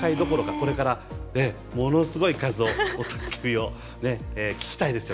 これからものすごい数の雄たけびを聞きたいです。